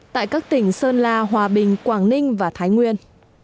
tại các tỉnh sơn la hòa bình quảng ninh và thái nguyên